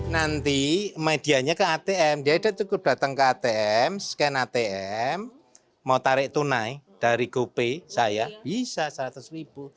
nanti medianya ke atm dia udah cukup datang ke atm scan atm mau tarik tunai dari gopay saya bisa seratus ribu